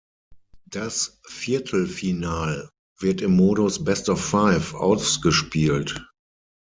Das Viertelfinal wird im Modus "Best of Five" ausgespielt.